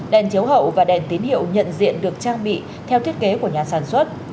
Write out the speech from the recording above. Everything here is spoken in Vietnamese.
đèn chiếu hậu và đèn tín hiệu nhận diện được trang bị theo thiết kế của nhà sản xuất